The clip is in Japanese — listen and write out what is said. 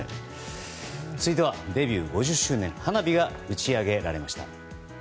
続いてはデビュー５０周年花火が打ち上げられました。